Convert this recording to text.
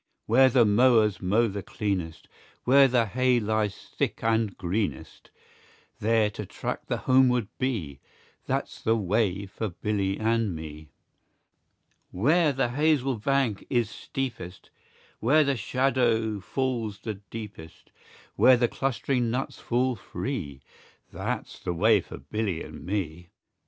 Where the mowers mow the cleanest, Where the hay lies thick and greenest, There to trace the homeward bee, That's the way for Billy and me. Where the hazel bank is steepest, Where the shadow falls the deepest, Where the clustering nuts fall free. That's the way for Billy and me.